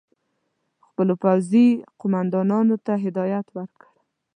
خپلو پوځي قوماندانانو ته هدایت ورکړ.